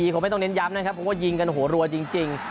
คงไม่ต้องเน้นย้ำนะครับเพราะว่ายิงกันหัวรัวจริง